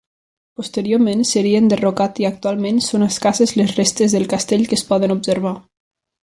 Posteriorment, seria enderrocat i actualment són escasses les restes del castell que es poden observar.